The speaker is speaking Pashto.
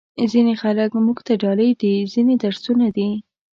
ځینې خلک موږ ته ډالۍ دي، ځینې درسونه دي.